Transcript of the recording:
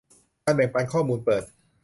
การแบ่งปันข้อมูลเปิด